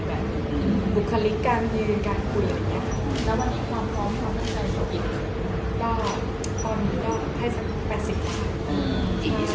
มีบุคคลิกการยืนการพูดแบบเนี้ย